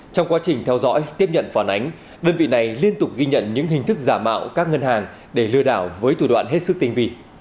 trong quá trình theo dõi tiếp nhận phản ánh đơn vị này liên tục ghi nhận những hình thức giả mạo các ngân hàng để lừa đảo với thủ đoạn hết sức tinh vị